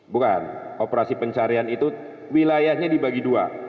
bukan operasi pencarian itu wilayahnya dibagi dua